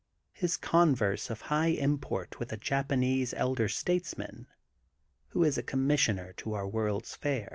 HIS CONTEBSE OF HIGH IMPORT WITH A JAPANESE ELDER STATESMAN WHO IS A COMBHSSIONER TO OUR WORLD'S FAIR.